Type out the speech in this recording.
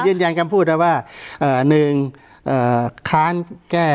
ยืนยันคำพูดครับว่า๑คะลแก้๒๕๖